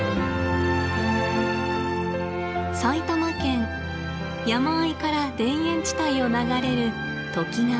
埼玉県山あいから田園地帯を流れる都幾川。